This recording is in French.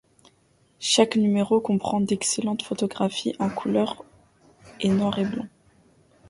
Chaque numéro comprend d’excellentes photographies en couleur et noir et blanc.